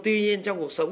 tuy nhiên trong cuộc sống